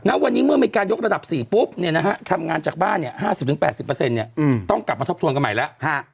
แล้ววันนี้เมื่อมีการยกระดับ๔ปุ๊บเนี่ยนะฮะทำงานจากบ้านเนี่ย๕๐๘๐เนี่ยต้องกลับมาทบทวนกันใหม่แล้ว